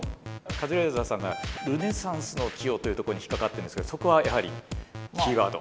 カズレーザーさんが「ルネサンスの寄与」というとこに引っ掛かってるんですけどそこはやはりキーワード？